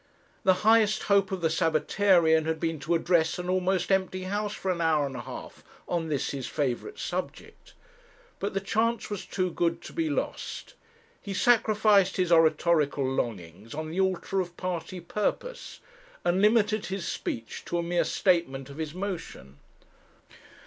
The highest hope of the Sabbatarian had been to address an almost empty house for an hour and a half on this his favourite subject. But the chance was too good to be lost; he sacrificed his oratorical longings on the altar of party purpose, and limited his speech to a mere statement of his motion.